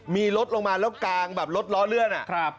มีรถลงมาแล้วกางแบบรถล้อเลื่อน